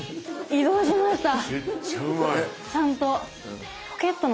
移動しました。